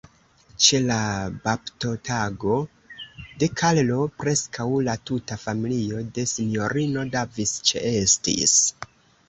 Ĉe la baptotago de Karlo, preskaŭ la tuta familio de Sinjorino Davis ĉeestis.